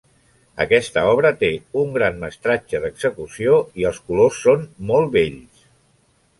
Aquesta obra té un gran mestratge d'execució, i els colors són molt bells.